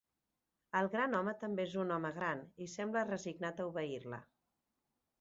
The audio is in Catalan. El gran home també és un home gran i sembla resignat a obeir-la.